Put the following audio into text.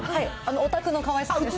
お宅のかわいさんです。